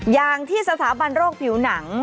อย่างที่สถาบันโรคผิวหนัง